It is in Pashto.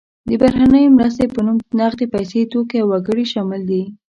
د بهرنۍ مرستې په نوم نغدې پیسې، توکي او وګړي شامل دي.